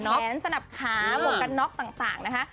แขนสนับขาหมวกกันน็อกต่างนะคะ